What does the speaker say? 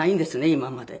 今まで。